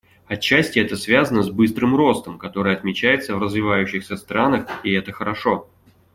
Отчасти это связано с быстрым ростом, который отмечается в развивающихся странах, и это хорошо.